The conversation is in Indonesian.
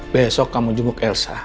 besok kamu jungguk elsa